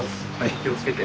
お気をつけて。